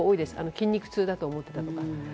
筋肉痛だと思ったとか。